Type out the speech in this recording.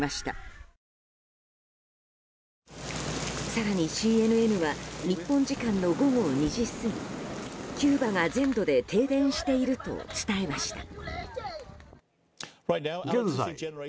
更にＣＮＮは日本時間の午後２時過ぎキューバが全土で停電していると伝えました。